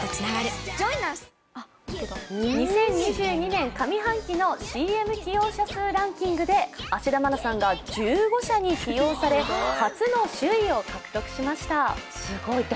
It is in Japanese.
２０２２年上半期のＣＭ起用社数ランキングで芦田愛菜さんが１５社に起用され、初の首位を獲得しました。